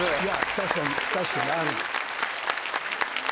確かに確かにある。